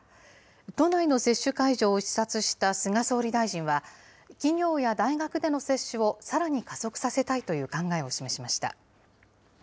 都内の接種会場を視察した菅総理大臣は、企業や大学での接種をさらに加速させたいという考えを示しました。